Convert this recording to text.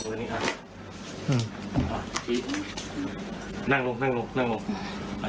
ชื่ออะไรชื่อจริงตอนนี้เจอในห้องไหนเจอห้องหนูใช่ไหมใช่